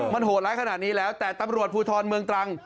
มันโหดร้ายขนาดนี้แล้วแต่ตำรวจภูทรเมืองตรัง